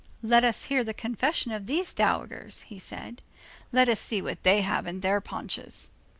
—"Let us hear the confession of these dowagers," he said, "let us see what they have in their paunches."